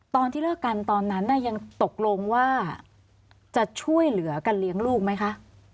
ตอนที่เลิกกันตอนนั้นยังตกลงว่าจะช่วยเหลือกันเลี้ยงลูกไหมคะ